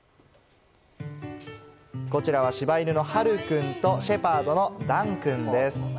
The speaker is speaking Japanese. こちらは柴犬のはるくんとシェパードのダンくんです。